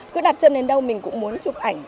cứ đặt chân đến đâu mình cũng muốn chụp ảnh